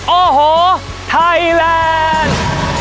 โอ้โหไทยแลนด์